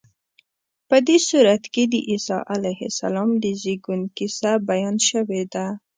په دې سورت کې د عیسی علیه السلام د زېږون کیسه بیان شوې ده.